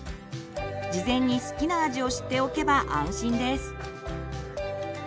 事前に好きな味を知っておけば安心です。